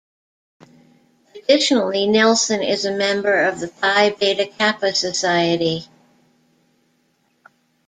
Additionally, Nelson is a member of the Phi Beta Kappa Society.